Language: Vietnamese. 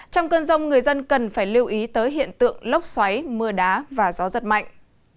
trong cơn rông người dân cần phải lưu ý tới hiện tượng lốc xoáy mưa đá và gió giật mạnh